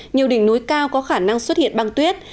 nhiều đỉnh núi cao có khả năng xuất hiện băng tuyết